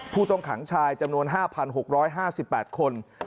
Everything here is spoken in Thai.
ผู้ต้องขังชายจำนวน๕๖๕๘คน